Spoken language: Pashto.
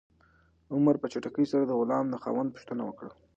عمر په چټکۍ سره د غلام د خاوند پوښتنه وکړه.